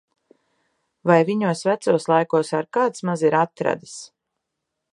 Vai viņos vecos laikos ar kāds maz ir atradis!